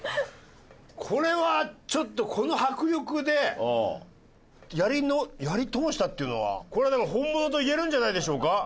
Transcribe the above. これはちょっとこの迫力でやり通したっていうのはこれなら本物といえるんじゃないでしょうか？